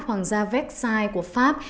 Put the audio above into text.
hoàng gia vecchiai của pháp